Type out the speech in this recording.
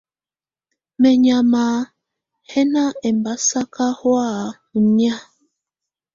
Mɛ̀nyàma yɛ̀ nà ɛmbasaka hɔ̀á ù nɛ̀́á.